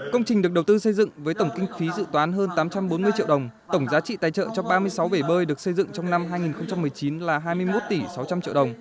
công trình được đầu tư xây dựng với tổng kinh phí dự toán hơn tám trăm bốn mươi triệu đồng tổng giá trị tài trợ cho ba mươi sáu bể bơi được xây dựng trong năm hai nghìn một mươi chín là hai mươi một tỷ sáu trăm linh triệu đồng